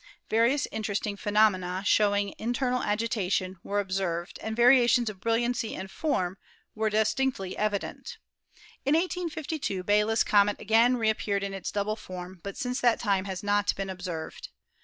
Various interesting phenomena showing internal agitation were observed and variations of brilliancy and form were dis tinctly evident. In 1852 Biela's comet again appeared in its double form, but since that time has not been observed.